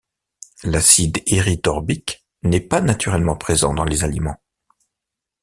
L'acide érythorbique n'est pas naturellement présent dans les aliments.